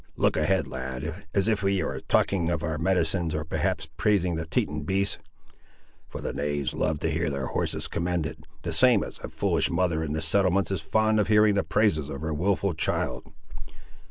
Look ahead, lad, as if ye were talking of our medicines, or perhaps praising the Teton beasts. For the knaves love to hear their horses commended, the same as a foolish mother in the settlements is fond of hearing the praises of her wilful child.